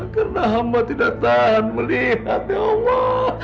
karena hamba tidak tahan melihat ya allah